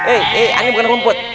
eh eh ini bukan kompot